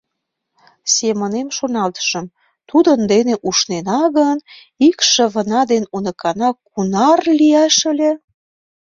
Семынем шоналтышым: тудын дене ушнена гын, икшывына ден уныкана кунар лиеш ыле?